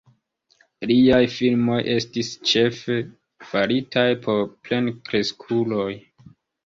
Liaj filmoj estis ĉefe faritaj por plenkreskuloj.